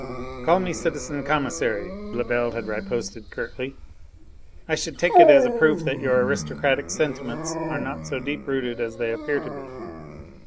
"Call me citizen Commissary," Lebel had riposted curtly. "I should take it as a proof that your aristocratic sentiments are not so deep rooted as they appear to be."